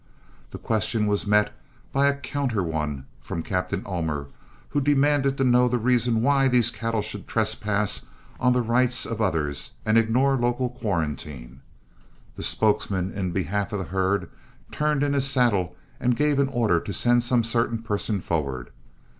The question was met by a counter one from Captain Ullmer, who demanded to know the reason why these cattle should trespass on the rights of others and ignore local quarantine. The spokesman in behalf of the herd turned in his saddle and gave an order to send some certain person forward.